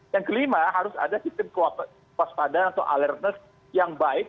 yang kelima harus ada sistem kewaspadaan atau alertness yang baik